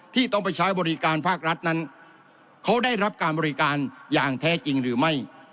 ที่ต้องไปใช้บริการภาครัฐนั้นเขาได้รับการบริการอย่างแท้จริงหรือไม่